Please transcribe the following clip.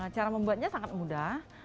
cara membuatnya sangat mudah